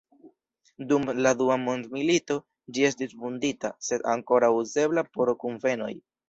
Dum la Dua Mondmilito ĝi estis vundita, sed ankoraŭ uzebla por kunvenoj.